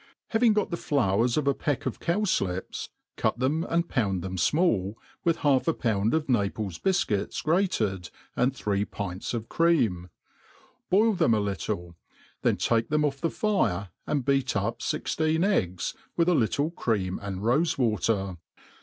HAVING got the flowers of a peck of cowflips, cut thcni and pound them fmall, with half a pound of T^aples bifcuit$ grated, and thr^e pints of cream« Boil them a little; theh take them ofF the fire and beat Up fixteen eggs, with a little cream and rbfe water.